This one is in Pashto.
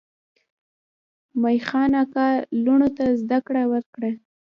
میاخان اکا لوڼو ته زده کړه ورکړه.